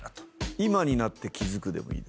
今になって気付くでもいい？